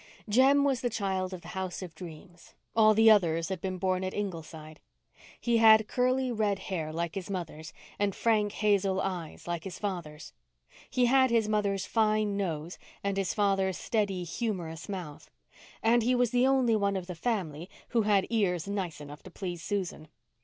Jem was the child of the House of Dreams. All the others had been born at Ingleside. He had curly red hair, like his mother's, and frank hazel eyes, like his father's; he had his mother's fine nose and his father's steady, humorous mouth. And he was the only one of the family who had ears nice enough to please Susan.